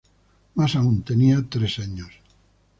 Mas aún tenía tres años.